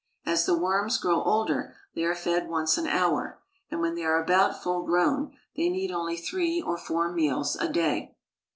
As the worms grow older they are fed once an hour, and when they are about full grown, they need only three or four meals a day.